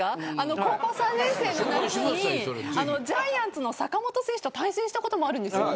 高校３年生の夏にジャイアンツの坂本選手と対戦したこともあるんですよね。